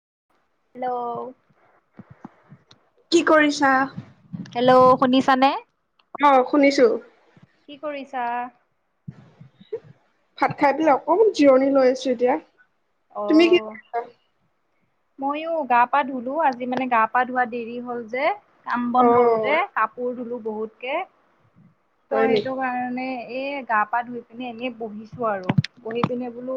Hello কি কৰিছা hello শুনিছা নে অ শুনিছো কি কৰিছা ভাত খাই পেলাই অকণমান জিৰণি লৈ আছো এতিয়া তুমি কি অহ কৰিছা? মইও গা পা ধুলো আজি মানে গা পা ধোৱা দেৰি হল যে কাম অ বন কৰোতে কাপোৰ ধুলো বহুতকে ত' হয় সেইটো নেকি কাৰণে এ গা পা ধুই পিনে এনেই বহিছো আৰু বহি পিনে বোলো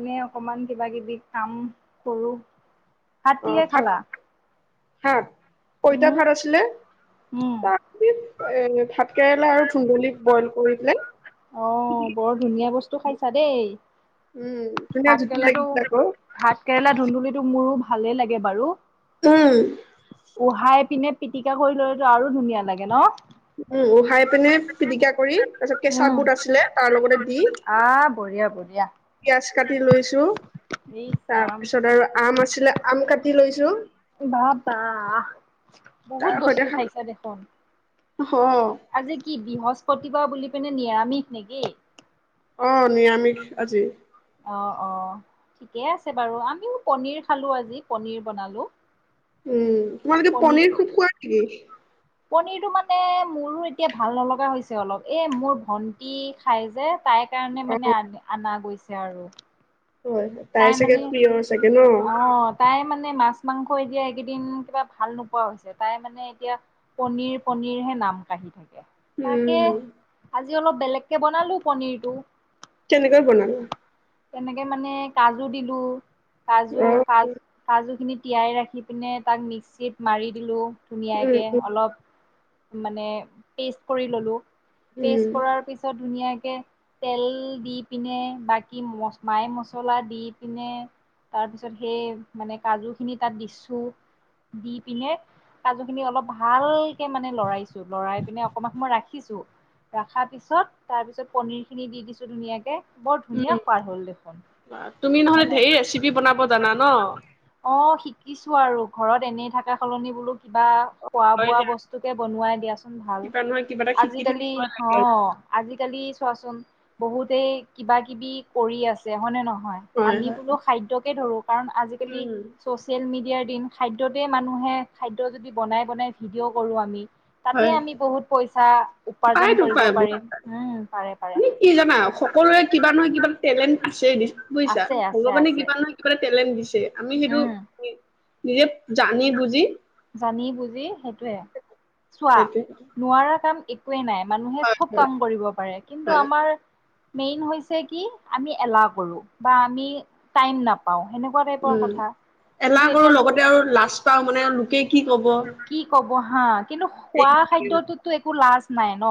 এনে অকমান কিবা কিবি কাম কৰো ভাত কিহে খালা শাক পইতা উম ভাত আছিলে উম তাৰ পি এ ভাত কেৰেলা আৰু ধুন্দলী বইল কৰি পেলাই অহ বৰ ধুনীয়া বস্তু খাইছা দেই উম ধুনীয়া ভাত জুতি কেৰেলাটো লাগিছিলে আকৌ ভাত কেৰেলা ধুন্দুলিটো মোৰো ভালে লাগে বাৰু উম উহাই পিনে পিটিকা কৰি ললেতো আৰু ধুনীয়া লাগে ন উম উহাই পিনে পিটিকা কৰি তাৰপিছত কেঁচা উম, বুট আছিলে তাৰ লগতে দি আহ বঢ়িয়া বঢ়িয়া। পিয়াজ কাটি লৈছো ইচ ৰাম তাৰপিছত আৰু আম আছিলে আম কাটি লৈছো বাপ বা বহুত তাৰ সৈতে বস্তু খালো খাইছা দেখোন অ আজি কি বৃহস্পতিবাৰ বুলি পিনে নিৰামিষ নেকি অ নিৰামিষ আজি অ অ ঠিকে আছে বাৰু আমিও পনিৰ খালো আজি পনিৰ বনালো উম তোমালোকে পনিৰ খুব খোৱা নেকি পনীৰটো মানে মোৰো এতিয়া ভাল নলগা হৈছে অলপ এ মোৰ ভন্টি খাই যে তাই কাৰণে মানে অ', আ অনা গৈছে আৰু। হয়, হয়। তাই চাগে মানে প্ৰিয় চাগে ন? অ তাই মানে মানে মাছ মাংস এতিয়া এইকেইদিন কিবা ভাল নোপোৱা হৈছে, তাই মানে এতিয়া পনিৰ পনিৰ হে নাম কাঢ়ি থাকে। তাকে উম, আজি অলপ বেলেগকে বনালো পনিৰটো। কেনেকৈ বনালা? তেনেকে মানে কাজু দিলো, কাজু অ', কাজ উম, কাজু খিনি তিয়াই ৰাখি পিনে তাক মিক্সিত মাৰি দিলোঁ উম, ধুনীয়াকে অলপ। মানে পেষ্ট কৰি ললো, পেষ্ট উম। কৰাৰ পিছত ধুনীয়া কে তেল দি পিনে বাকী ম মায় ম মচলা দি পিনে তাৰপিছত সেই মানে কাজু খিনি তাত দিছো। দি পিনে কাজু খিনি অলপ ভাল কে মানে লৰাইছো লৰাই পিনে অকণমান সমই ৰাখিছো। ৰখাৰ পিছত তাৰ পিছত পনিৰ খিনি দি দিছো ধুনীয়াকে বৰ উম, ধুনীয়া সোৱাদ হ'ল দেখোন। বাহ, তুমি নহ'লে মানে ঢেৰ ৰেচিপি বনাব জানা ন? অ শিকিছো আৰু, ঘৰত এনেই থকা সলনি বোলো কিবা খোৱা হয় বোৱা দিয়া, বস্তু কে বনোৱাই দিয়াচোন ভাল কিবা নহয় কিবা এটা শিকি আজিকালি থাকিব অ। লাগে। আজিকালি চোৱাচোন বহুতে কিবা কিবি কৰি আছে হয়নে নহয়? হয়, আমি হয়, বোলো খাদ্যকে ধৰো কাৰণ আজিকালি উম, চচিয়েল মিডিয়াৰ দিন খাদ্যতেই মানুহে খাদ্য যদি বনাই বনাই ভিডিঅ' কৰোঁ আমি। তাতে আমি বহুত পইচা। উপাৰ্জন পাইতো কৰিব পাই ব পাৰিম উম পাৰে [inaudible] পাৰে তুমি কি জানা সকলোৱে কিবা নহয় কিবা এটা টেলেণ্ট দি বুজিছা আছে আছে ভগৱানে আছে কিবা নহয় কিবা এটা টেলেণ্ট দিছে আমি সেইটো উম নিজে জানি বুজি জানি বুজি সেইটয়ে চোৱা সেইটোৱে, নোৱাৰা কাম একোৱেই নাই মানুহে হয়, চব হয়। কাম কৰিব পাৰে কিন্তু হয় আমাৰ মেইন হৈছে কি আমি এলাহ কৰোঁ বা আমি টাইম নাপাওঁ সেনেকুৱা টাইপৰ উম কথা এলাহ কিন্তু কৰো এতিয়া [inaudible] ল'ব। বহা কিন্তু খোৱা খাদ্যতো একো লাজ নাই ন?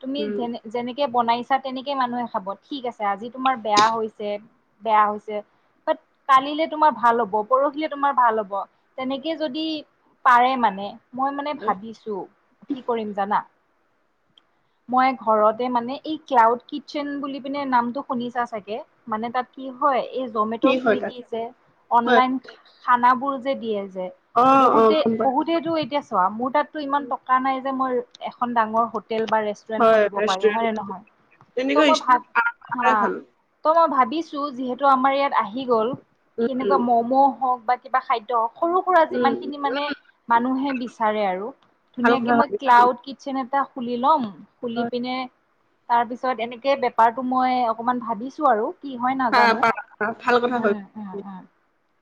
তুমি উম যেনে যেনেকে বনাই ছা তেনেকে মানুহে খাব ঠিক আছে আজি তোমাৰ বেয়া হৈছে, বেয়া হৈছে বাট কালিলে তোমাৰ ভাল হ'ব পৰহিলে তোমাৰ ভাল হ'ব তেনেকে যদি পাৰে মানে মই মানে হয়, ভাবিছো কি কৰিম জানা [inaudible] মই ঘৰতে মানে এই ক্লাউড কিটচেন বুলি পিনে নামটো শুনিছা চাগে? মানে তাত কি হয় এই জমেট কি হয় তাত চুইগি যে হয় অনলাইন খান বোৰ যে দিয়ে যে অ অ বহুতে গম পাই বহু সটো এতিয়া চোৱা মোৰ তাতটো ইমান টকা নাই যে মই এখন ডাঙৰ হোটেল বা ৰেষ্টুৰেণ্ট হয় খুলিব পাৰোঁ ৰেষ্টুৰেণ্ট হয়নে নহয়? ত তেনেকৈ মই ইচ ভাত আৰাম হা, কৰাই ভাল ত মই ভাত ভাবিছো যিহেতু আমাৰ ইয়াত আহি গ'ল উম কেনেকুৱা উম ম'ম' হওক বা কিবা খাদ্য হওক সৰু সুৰা যিমান উম খিনি মানে মানুহে বিচাৰে আৰু ভাল কথা ধুনীয়াকে মই ভাবিছো। ক্লাউড কিটচেন এটা খুলি ল'ম। খুলি হয়, পিনে তাৰ পিছত এনেকে বেপাৰটো মই অকমান ভাবিছো আৰু কি হয় পা নাজানো? পা ভাল কথা হয় উম উম উম।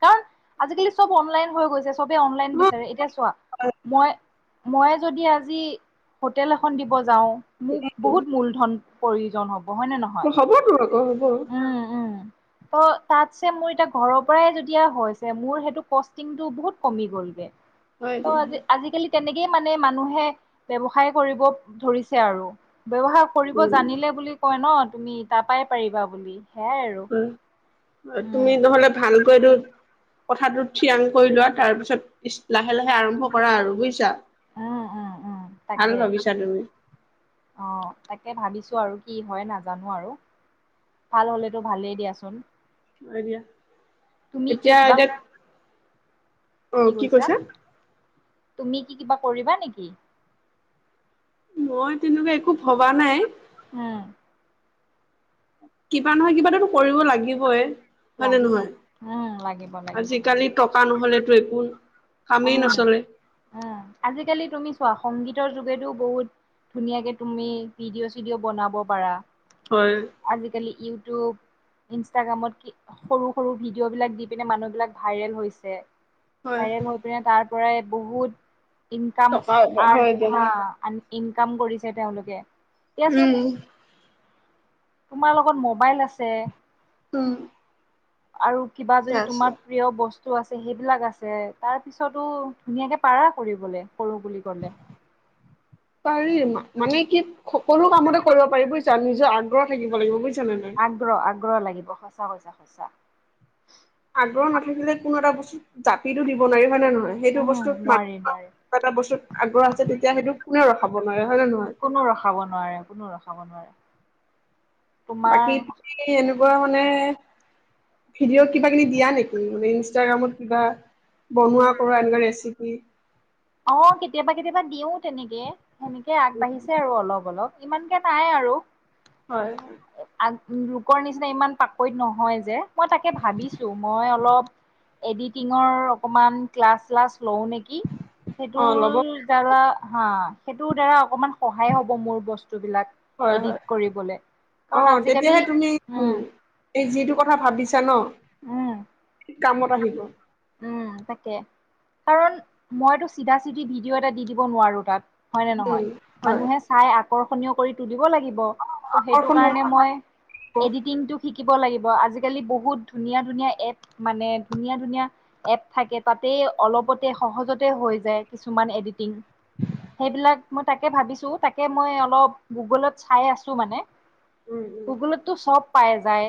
কাৰণ আজিকালি চব অনলাইন হৈ গৈছে চবে অনলাইন অ বিচাৰে। এতিয়া চোৱা মই মই যদি আজি হোটেল এখন দিব প্ৰয়োজন হ'ব হয়, হ'বতো আকৌ হ'ব হ ত তাতছে মোৰ এতিয়া ঘৰৰ পৰাই যেতিয়া হৈছে মোৰ সেইটো কষ্টিংটো বহুত কমি গ'ল। উ [inaudible] হয় ত' দিয়া হয় আজিকালি তেনেকেই মানে মানুহে ব্যৱসায় কৰিব ধৰিছে আৰু। ব্যবহাৰ কৰিব উম জানিলে বুলি কয় ন তুমি তাৰাপাই পাৰিবা বুলি। সেয়াই আৰু হয় তুমি উম নহ'লে ভালকৈ দু কথাটো থিয়াং কৰি লোৱা তাৰ পিছত লাহে লাহে আৰম্ভ কৰা আৰু বুজিছা। উম উম উম ভাল তাকে ভাবিছা তুমি আহ তাকে ভাবিছো আৰু কি হয় নাজানো আৰু ভাল হ'লেতো ভালেই দিয়াচোন দা তুমি কি এতিয়া কিবা এতিয়া অ কি কৈছা তুমি কি কিবা কৰিবা নেকি মই তেনেকুৱা একো ভবা নাই উম। কিবা নহয় কিবা এটা তু কৰিব লাগিবই হয় নে লাগিব নহয় উম লাগিব লাগিব আজিকালি টকা নহলেতো একো উম কামেই নচলে উম আজিকালি তুমি চোৱা সংগীতৰ যুগেতো বহুত ধুনীয়াকে তুমি ভিডিঅ চিডিঅ' বনাব পাৰা। হয় আজিকালি ইউটিউব ইনষ্টাগ্ৰামত কি সৰু সৰু ভিডিঅ বিলাক দি পিনে মানুহ বিলাক ভাইৰেল হৈছে হয় ভাইৰেল হৈ পিনে তাৰ পৰাই বহুত ইনকাম টকা হয় আৰ্ট দিয়ক হা আন ইনকাম কৰিছে তেওঁলোকে দিয়াচোন উম তোমাৰ লগত মোবাইল আছে উম আৰু কিবা যদি আছে তোমাৰ প্ৰিয় বস্তু টো আছে সেইবিলাক আছে তাৰ পিছতো ধুনীয়াকে পাৰা কৰিবলে কৰোঁ বুলি কলে [unintelligible] পাৰি মা মানে কি সকলো কামতে কৰিব পাৰি বুজিছা নিজৰ আগ্ৰহ থাকিব লাগিব বুজ আগ্ৰহ আগ্ৰহ লাগিব সঁচা কৈছা সচা আগ্ৰহ নাথাকিলে কোনো এটা বস্তু জাপিতো দিব নোৱাৰিব হয় নে নহয় সেইটো বস্তুত উম নোৱাৰি মানুহৰ নোৱাৰি কিবা এটা বস্তুত আগ্ৰহ আছে তেতিয়া সেইটো কোনে ৰখাব নোৱাৰে হয় নে নহয় কোনো ৰখাব নোৱাৰে কোনো ৰখাব নোৱাৰে তোমাৰ বাকী তাকে এনেকুৱা মানে ভিডিঅ' কিবা কিবি দিয়া নেকি মানে ইনষ্টাগ্ৰামত কিবা বনোৱা কৰা এনেকুৱা ৰেচিপি অ কেতিয়াবা কেতিয়াবা দিও তেনেকে সেনেকে আগবাঢ়িছে আৰু অলপ অলপ ইমানকে নাই আৰু হয় উম লোকৰ নিচিনা ইমান পাকৈত নহয় যে মই তাকে ভাবিছো মই অলপ এডিটিঙৰ অকমান ক্লাছ শ্লাছ লও নেকি অ ল'ব সেইটোৰ দ্বাৰা হা সেইটোৰ দ্বাৰা অকমান সহায় হ'ব মোৰ বচ টো বিলাক হয় হয় এদিট কৰিবলে অ কাৰণ আজিকালি তেতিয়াহে তুমি উম এই যিটো কথা ভাবিছা ন উম কামত আহিব উম তাকে কাৰণ মইতো চিধা চিধি ভিডিঅ' এটা দি দিব নোৱাৰো তাত হয় নে নহয় উম হয় মানুহে চাই আকৰ্ষণীয় কৰি তুলি তুলিব লাগিব ত সেইটো আকৰ্ষণ হব কাৰণে মই আকৰ্ষণ হব এডিতিংক টো শিকিব লাগিব আজিকালি বহুত ধুনীয়া ধুনীয়া এপ মানে ধুনীয়া ধুনীয়া এপ থাকে তাতেই অলপতে সহজতে হৈ যায় কিছুমান এডিটিং সেইবিলাক মই তাকে ভাবিছো তাকে মই অলপ গুগলত চাই আছো মানে উম উম গুগলতটো চব পাই যায়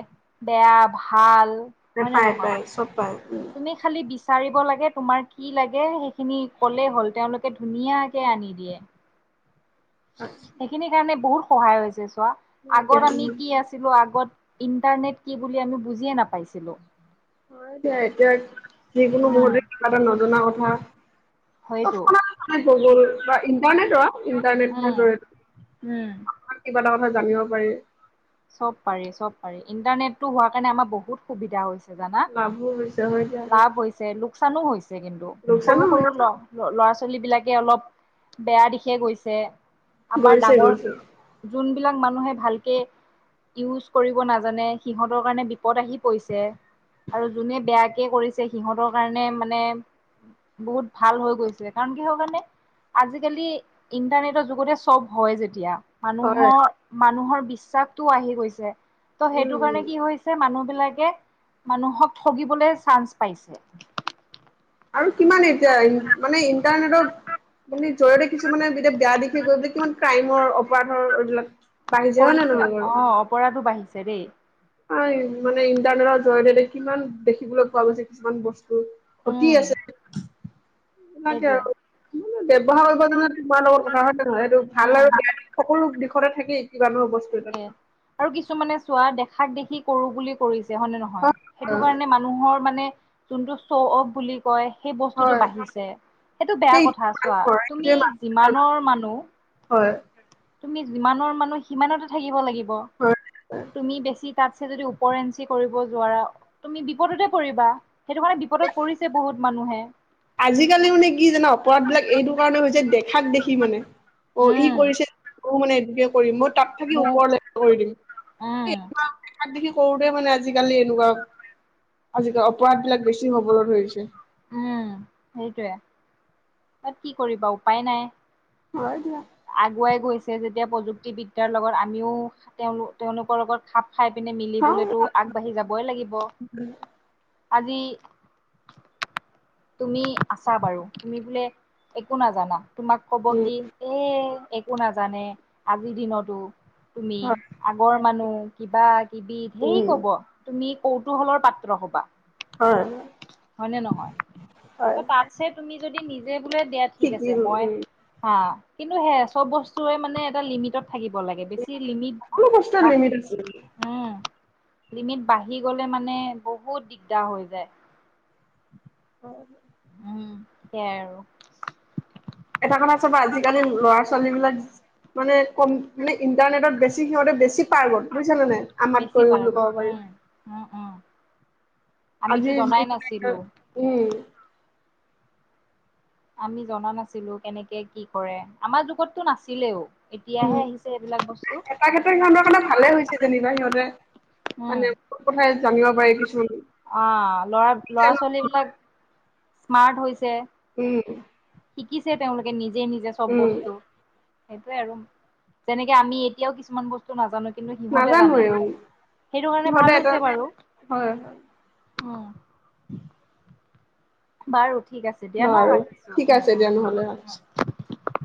বেয়া ভাল তে হয় নে পায় নহয় পায় চব পায় উম তুমি খালি। বিচাৰিব লাগে তোমাৰ কি লাগে সেইখিনি ক'লেই হ'ল তেওঁলোকে ধুনীয়াকে আনি দিয়ে। উ সেইখিনি কাৰণে বহুত সহায় হৈছে চোৱা হয় দিয়া আগত আমি উম, কি আছিলো আগত। ইণ্টাৰনেট কি বুলি আমি বুজিয়ে নাপাইছিলোঁ? হয় দিয়া এতিয়া যিকোনো উম মুহুৰ্ততে কিবা এটা নজনা কথা। হয়তো ত গগল বা ইণ্টাৰনেটৰ। ইণ্টাৰনেটৰ উম জৰিয়তে উম আপোনাক কিবা এটা কথা জানিব পাৰি। চব পাৰি চব পাৰি ইন্টাৰনেটটো হোৱাৰ কাৰণে আমাৰ বহুত সুবিধা হৈছে? জানা লাভো হৈছে হয় দিয়া। লাভ হৈছে লোক। লোকচানো হৈছে কিন্তু লোকচানো সৰু সৰু ল হৈছে লৰা ছোৱালীৰ। ছোৱালীবিলাকে অলপ বেয়া দিশে গৈছে আমাৰ গৈছে গৈছে ডাঙৰ। যিবিলাক মানুহে ভালকে ইউচ কৰিব নাজানে সিহতৰ কাৰনে বিপদ আহি। কৈছে আৰু যোনে বেয়া - একে কৰিছে, সিহঁতৰ কাৰণে মানে বহুত ভাল হৈ গৈছে। কাৰণ কিহৰ কাৰণে আজিকালি ইণ্টাৰনেটৰ যুগতে চব হয় যেতিয়া। হয়। মানুহৰ মানুহৰ বিশ্বাসটো আহি গৈছে। ত' উম, সেইটো কাৰণে উম কি হৈছে, মানুহে। মানুহক ঠগিবলৈ চান্স পাইছে। আৰু কিমান, এতিয়া মানে ইণ্টাৰনেটৰ। মানে জৰিয়তে কিছুমানে এতিয়া বেয়া দিশে গৈ বোলে কিমান ক্ৰাইমৰ অপৰাধৰ এইবিলাক, বাঢ়িছে হয় নে কৰিছে। নহয় বাৰু? অ অপৰাধো বাঢ়িছে দেই। মানে ইণ্টাৰনেটৰ জৰিয়তে কিমান দেখিবলৈ পোৱা গৈছে, কিছুমান বস্তু। কি উম আছে? সেইটোৱে। ব ব্যৱহাৰ কৰিব যেনে তোমাৰ লগত কথা হয় ন নহয়। এইটো ভাল আৰু উম। বেয়া দি সকলো দিশতে থাকেই। তাকে আৰু কিছুমানে চোৱা দেখা, শাক দেখি কৰো বুলি কৰিছে হয় নে নহয়। সেইটো হয় কাৰণে মানুহৰ, মানে যোনটো শ্ব অফ বুলি কয়, সেই বস্তুতটো হয় বাঢ়িছে। সেইটো বেয়া সেই কথা চোৱা, তুমি সেইটোৱে মানুহৰ যিমানৰ মানুহ। হয়। তুমি যিমানৰ মানুহ সিমানতে থাকিব লাগিব। হয় তুমি বেছি। তাতছে যদি ওপৰ এঞ্চি কৰিব যোৱাৰ তুমি বিপদতে পৰিবা। সেইটো কাৰণে বিপদত পৰিছে বহুত মানুহে। আজিকালি মানে কি জান অপৰাধ বিলাক এইটো কাৰণে হৈছে দেখাক দেখি মানে। অ ই উম কৰিছে ব মানে এটে কৰিম মত। তাত থাকি মোক ওপৰ কৰি দিম। উম এই সৰুতে মানে আজিকালি এনেকুৱা আজিকালি অপৰাধ বিলাক বেছি হবলৈ ধৰিছে। উম সেইটোৱে তাত কি কৰিবা উপায় নাই। হয় দিয়া আগুৱাই গৈছে। যেতিয়া প্ৰযুক্তিবিদ্যাৰ লগত আমিও তেওঁ তেওঁলোকৰ লগত খাপ, খাই পিনে হয় মিলিবলৈতো আগবাঢ়ি যাবই লাগিব। আজি, তুমি আছা বাৰু তুমি বোলে একো নাজানা। তোমাক কব উম কি এ একো নাজানে আজিৰ দিনতো। তুমি হয় আগৰ মানুহ কিবা কিবি ধেই উম কব, তুমি কৌতুহলৰ পাত্ৰ সবা। হয় হয় নে নহয়? হয় তাতছে তুমি যদি নি- দিয়া ঠিক আছে। শিকিল উম অ চব বস্তু অ মানে এটা লিমিটত। থাকিব লাগে। বেছি লিমিট সকলো বস্তুৰে বা, লিমিট আছে। উম। লিমিত বাঢ়ি গলে মানে বহুত দিগদাৰ হৈ যায়। অ। উম সেইয়াই আৰু। এটা কথা চাবা আজিকালি ল'ৰা ছোৱালী বিলাক, মানে কম মানে ইণ্টাৰনেটত বেছি সিহঁতে বেছি পাৰ্গত, বুজিচানে নাই? বেছি আমাতকৈও বুলি পাৰ্গত ক'ব পাৰি। উম উম উম। আমিতো আজি জনাই নাছিলো উম [unintelligible] আমি জনা নাছিলো কেনেকে কি কৰে। আমাৰ যুগতটো নাছিলেও। উম এতিয়াহে আহিছে এইবিলাক বস্তু। এটা ক্ষেত্ৰত সিহঁতৰ কাৰণে ভালে হৈছে যেনিবা সিহঁতে উম মানে বহুত কথাই জানিব পাৰি কিছুমান অ, লৰা ল'ৰা ছোৱালী বিলাক স্মাৰ্ট হৈছে। উম। শিকিছে তেওঁলোকে নিজে নিজে চব উম বস্তু। সেইটোয়ে আৰু যেনেকে আমি এতিয়াও কিছুমান বস্তু নাজানো। কিন্তু সিহঁতে জানে, নাজানোৱে সেইটো কাৰণে ভাল সিহঁতে এটা হৈছে বাৰু। হয় হয় উম। বাৰু ঠিক আছে দিয়া ন বাৰু ৰাখিছো ঠিক উম, আছে দিয়া নহ'লে ৰাখিছোঁ। উম, উম।